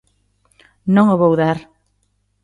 Non o vou dar.